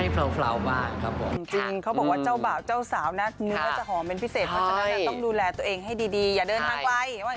เพราะฉะนั้นต้องดูแลตัวเองให้ดีอย่าเดินทางไป